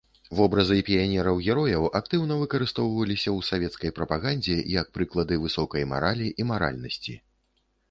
Вобразы піянераў-герояў актыўна выкарыстоўваліся ў савецкай прапагандзе як прыклады высокай маралі і маральнасці.